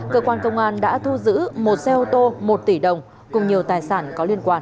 cơ quan công an đã thu giữ một xe ô tô một tỷ đồng cùng nhiều tài sản có liên quan